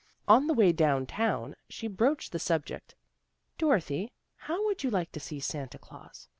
On the way down town, she broached the subject. " Dorothy, how would you like to see Santa Claus?